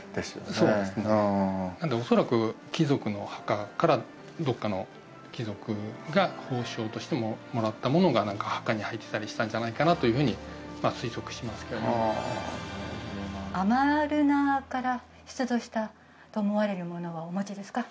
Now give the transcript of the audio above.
そうですねなので恐らく貴族の墓からどっかの貴族が褒賞としてもらったものが墓に入ってたりしたんじゃないかなというふうに推測しますけれどもああなるほどなアマルナから出土したと思われるものはお持ちですか？